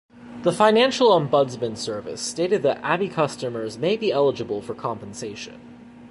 The Financial Ombudsman Service stated that Abbey customers may be eligible for compensation.